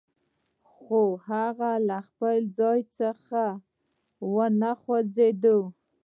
خو هغه له خپل ځايه هېڅ و نه خوځېده.